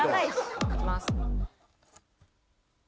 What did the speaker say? いきます。